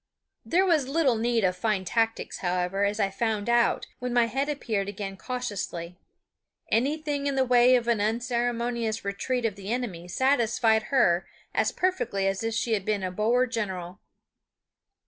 There was little need of fine tactics, however, as I found out when my head appeared again cautiously. Anything in the way of an unceremonious retreat of the enemy satisfied her as perfectly as if she had been a Boer general.